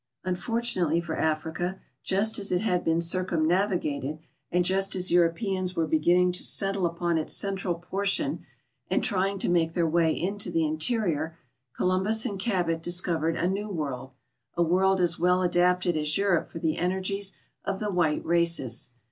Unfortunately for Africa", just as it had been circumnavigated, and just tis Europeans were lie ginning to settle upon its central portion and trying to make tb. ir way into the interior, Columl)us and Cabot discovered a new world— a world as well adapted as Europe for tbe energies of tbe white races.